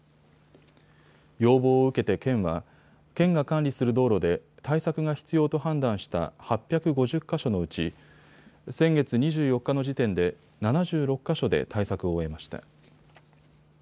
要望を受けて県は県が管理する道路で対策が必要と判断した８５０か所のうち先月２４日の時点で７６か所で対策を終えました。